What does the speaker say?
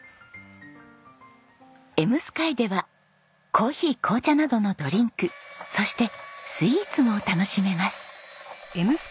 笑夢空ではコーヒー紅茶などのドリンクそしてスイーツも楽しめます。